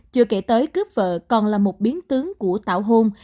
chưa kể tới cướp vợ còn là một biến tướng của tảo hôn